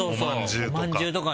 おまんじゅうとか。